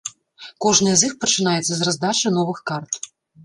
Кожная з іх пачынаецца з раздачы новых карт.